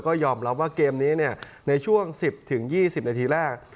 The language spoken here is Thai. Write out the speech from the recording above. ก็ยอมรับว่าเกมนี้ในช่วง๑๐๒๐นาทีแรก